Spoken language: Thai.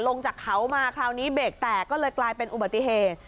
ลงจากเขามาคราวนี้เบรกแตกก็เลยกลายเป็นอุบัติเหตุ